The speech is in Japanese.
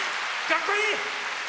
かっこいい！